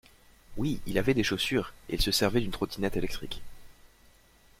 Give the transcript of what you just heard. Oui, il avait des chaussures, et il se servait d’une trottinette électrique.